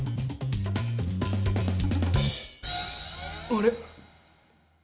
あれ？